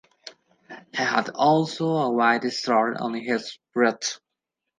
He had also a white star on his breast.